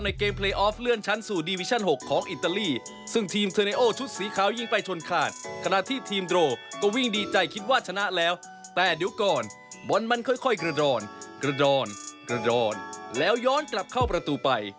ในเกมเพลย์ออฟเลื่อนชั้นสู่ดีวิชั่น๖ของอิตาลี